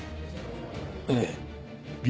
ええ。